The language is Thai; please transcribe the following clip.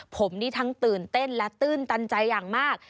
ผมนี่ทั้งตื่นเต้นและตื้นตันใจอย่างมาก